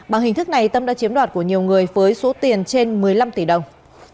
bằng hình thức này tâm đã chiếm đoạt của nhiều người với số tiền trên một mươi năm tỷ đồng